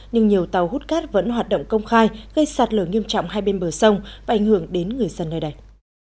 nhưng nhiều tàu hút cát vẫn hoạt động công khai gây sạt lở nghiêm trọng hai bên bờ sông và ảnh hưởng đến người dân nơi đây